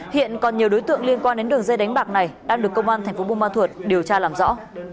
hiện còn nhiều đối tượng liên quan đến đường dây đánh bạc này đang được công an thành phố buôn ma thuột điều tra làm rõ